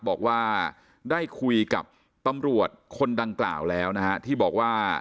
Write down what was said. บอกว่าได้คุยกับตำรวจคนดังกล่าวแล้วนะฮะที่บอกว่า